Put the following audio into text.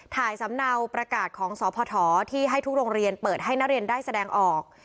สำเนาประกาศของสพที่ให้ทุกโรงเรียนเปิดให้นักเรียนได้แสดงออก